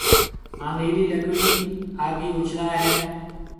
ھان لِيلِي لڪڙِي آگھيَََ اُڇلائيَ ھيََََ